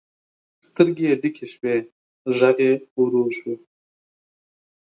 سترګې یې ډکې شوې، غږ یې ورو شو.